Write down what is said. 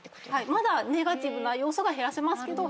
まだネガティブな要素が減らせますけど。